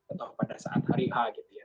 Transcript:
atau pada saat hari a gitu ya